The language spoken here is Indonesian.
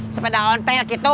sepeda ontek gitu